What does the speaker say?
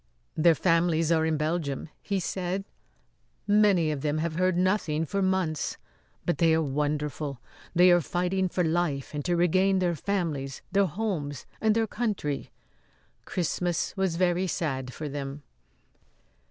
"Their families are in Belgium," he said. "Many of them have heard nothing for months. But they are wonderful. They are fighting for life and to regain their families, their homes and their country. Christmas was very sad for them."